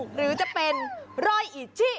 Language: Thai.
หรือจะเป็นรอยอิชิ